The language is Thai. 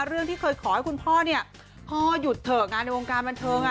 เคยขอให้คุณพ่อเนี่ยพ่อหยุดเถอะงานในวงการบรรเทิงอ่ะ